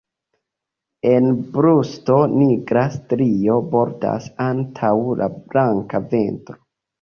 En brusto nigra strio bordas antaŭ la blanka ventro.